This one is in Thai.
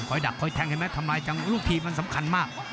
ถอยดับถอยแทงทำลายจังลูกทีมันสำคัญมาก